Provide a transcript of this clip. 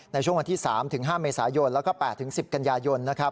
ในช่วงวันที่๓๕เมษายนแล้วก็๘๑๐กันยายน